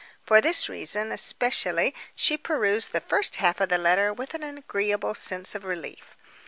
For this reason especially she perused the first half of the letter with an agreeable sense of relief.